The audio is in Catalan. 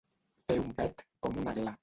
Fer un pet com una gla.